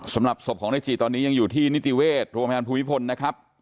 สำหรับศพของนายจีตอนนี้ยังอยู่ที่นิติเวชโรงพยาบาลภูมิพลนะครับ